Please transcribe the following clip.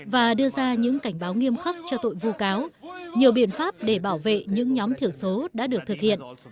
và đưa ra những cảnh báo nghiêm khắc cho tội vu cáo nhiều biện pháp để bảo vệ những nhóm thiểu số đã được thực hiện